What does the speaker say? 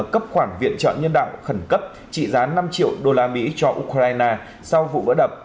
cấp khoản viện trợ nhân đạo khẩn cấp trị giá năm triệu đô la mỹ cho ukraine sau vụ vỡ đập